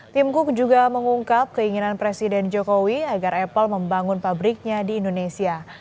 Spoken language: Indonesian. tim cook juga mengungkap keinginan presiden jokowi agar apple membangun pabriknya di indonesia